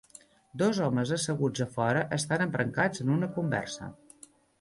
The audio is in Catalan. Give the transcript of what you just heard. Dos homes asseguts afora estan embrancats en una conversa.